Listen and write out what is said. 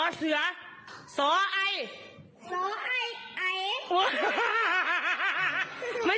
อ้ายสิต้มไหม้อีกแล้วสอไอ